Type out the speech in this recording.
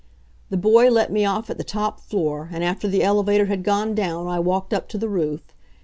The boy let me off at the top floor, and after the elevator had gone down I walked up to the roof.